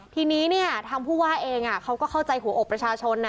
ทีนี้ทางผู้ว่าเองเขาก็เข้าใจหัวอกประชาชน